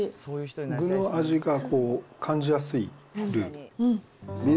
具の味が感じやすいルー。